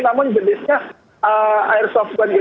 namun jenisnya airsoft gun